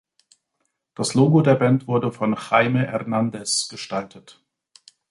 Das Logo der Band wurde von Jaime Hernandez gestaltet.